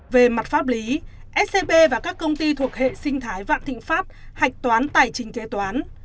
về mặt pháp lý scb và các công ty thuộc hệ sinh thái vạn thịnh pháp hạch toán tài chính kế toán